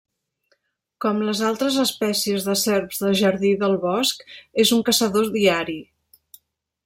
Com les altres espècies de serps de jardí del bosc és un caçador diari.